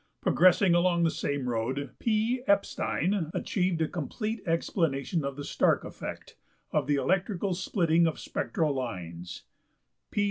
Progressing along the same road, P.~Epstein achieved a complete explanation of the Stark effect of the electrical splitting of spectral lines(38), P.